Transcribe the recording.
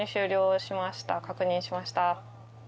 確認しました。